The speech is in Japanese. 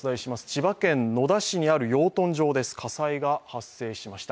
千葉県野田市にある養豚場です、火災が発生しました。